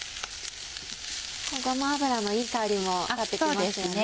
ごま油のいい香りも立ってきますよね。